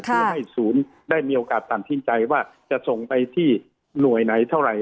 เพื่อให้ศูนย์ได้มีโอกาสตัดสินใจว่าจะส่งไปที่หน่วยไหนเท่าไหร่